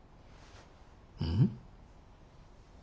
うん？